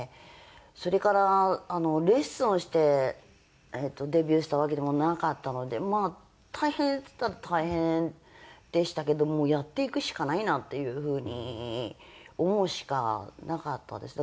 それからレッスンをしてデビューしたわけでもなかったのでまあ大変っつったら大変でしたけどもやっていくしかないなっていう風に思うしかなかったです。